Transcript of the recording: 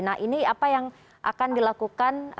nah ini apa yang akan dilakukan